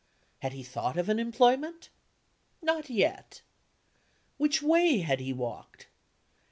Had he thought of an employment? Not yet. Which way had he walked?